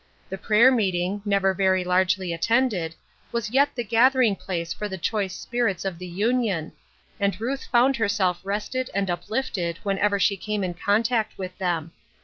The prayer meeting, never very largely attended, was yet the gathering place for the choice spirits of the Union, and Ruth found herself rested and uplifted when ever she came in contact with them.